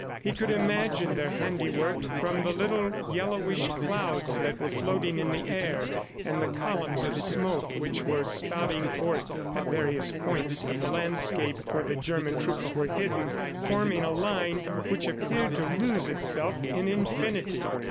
He could imagine their handiwork from the little yellowish clouds that were floating in the air, and the columns of smoke which were spouting forth at various points of the landscape where the German troops were hidden, forming a line which appeared to lose itself in infinity.